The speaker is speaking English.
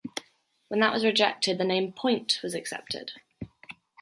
When that was rejected, the name Point was accepted.